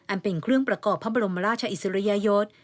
เป็นเครื่องประกอบพระบรมราชอิสริยยศ